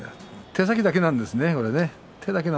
手だけなんです。